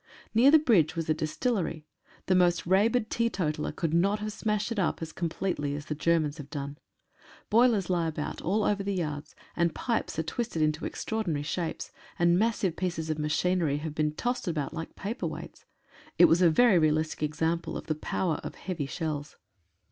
Near the bridge was the distillery. The most rabid teetotaller could not have smashed it up as com pletely as the Germans have done. Boilers lie about all over the yards, and pipes are twisted into extraordinary shapes, and massive pieces of machinery have been tossed about like paper weights. It was a very realistic example of the power of heavy shells.